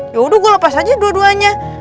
ya udah gue lepas aja dua duanya